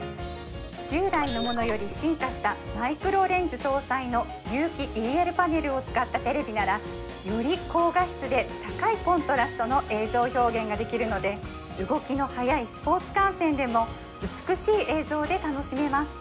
従来のものより進化したマイクロレンズ搭載の有機ＥＬパネルを使ったテレビならより高画質で高いコントラストの映像表現ができるので動きの速いスポーツ観戦でも美しい映像で楽しめます